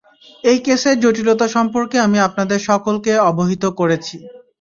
এই কেসের জটিলতা সম্পর্কে আমি আপনাদের সকলকে অবহিত করেছি।